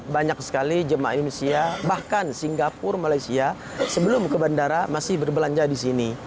banyak sekali jemaah indonesia bahkan singapura malaysia sebelum ke bandara masih berbelanja di sini